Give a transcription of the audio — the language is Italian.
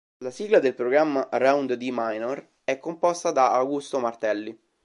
La sigla del programma, "Round D Minor", è composta da Augusto Martelli.